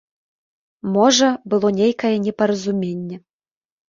Можа, было нейкае непаразуменне.